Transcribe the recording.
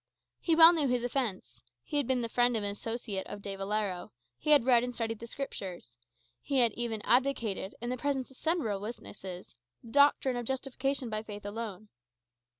He well knew his offence: he had been the friend and associate of De Valero; he had read and studied the Scriptures; he had even advocated, in the presence of several witnesses, the doctrine of justification by faith alone.